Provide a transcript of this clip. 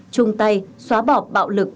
chung tay xóa bỏ bạo lực